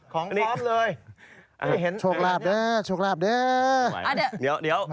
ของพร้อมเลย